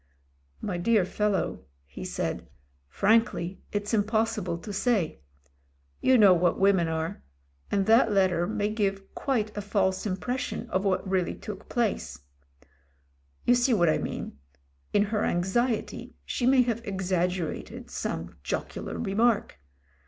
"My dear fellow," he said, "frankly it's impossible to say. You know what women are; and that letter may give quit^ a false impression of what really took 196 MEN, WOMEN AND GUNS place. You see what I mean : in her anxiety she may have exaggerated some jocular remark.